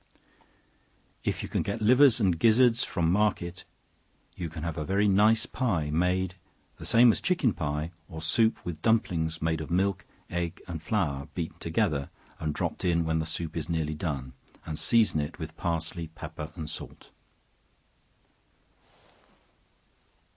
If you can get livers and gizzards from market, you can have a very nice pie made, the same as chicken pie, or soup with dumplings made of milk, egg and flour, beaten together, and dropped in when the soup is nearly done, and season it with parsley, pepper, and salt.